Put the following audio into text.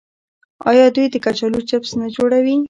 آیا دوی د کچالو چپس نه جوړوي؟